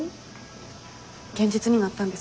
現実になったんですか？